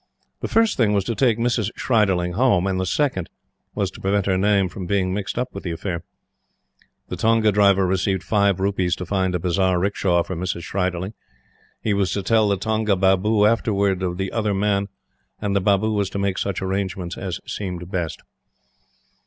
The first thing was to take Mrs. Schreiderling home, and the second was to prevent her name from being mixed up with the affair. The tonga driver received five rupees to find a bazar 'rickshaw for Mrs. Schreiderling. He was to tell the tonga Babu afterwards of the Other Man, and the Babu was to make such arrangements as seemed best.